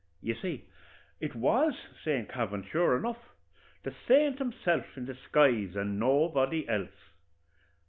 "You see it was Saint Kavin, sure enough the saint himself in disguise, and nobody else.